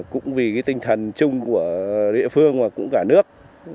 cũng vì cái tinh thần chung của địa phương và cũng cả nước